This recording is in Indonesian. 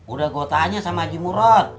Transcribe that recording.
udah gua tanya sama aji murot